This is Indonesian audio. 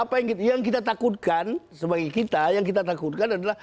apa yang kita takutkan sebagai kita yang kita takutkan adalah